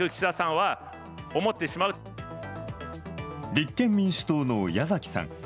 立憲民主党の矢崎さん。